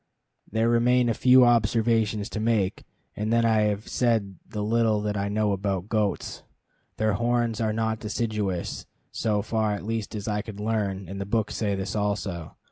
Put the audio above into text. There remain a few observations to make, and then I have said the little that I know about goats. Their horns are not deciduous, so far at least as I could learn, and the books say this also.